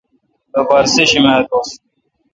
لوپارہ سیشمہ دوس